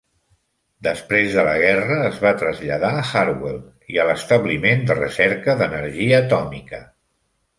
Després de la guerra es va traslladar a Harwell i a l"Establiment de Recerca D"Energia Atòmica.